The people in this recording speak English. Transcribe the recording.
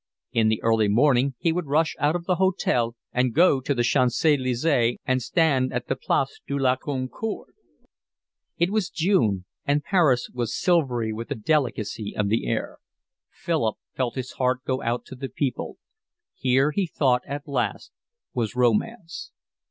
In the early morning he would rush out of the hotel and go to the Champs Elysees, and stand at the Place de la Concorde. It was June, and Paris was silvery with the delicacy of the air. Philip felt his heart go out to the people. Here he thought at last was romance.